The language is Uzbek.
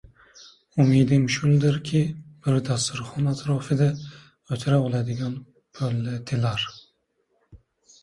Umidim shuldirki, bir dasturxon atrofida o‘tira oladigan bo‘ladilar.